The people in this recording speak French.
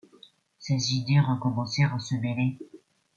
Ses idées recommencèrent à se mêler.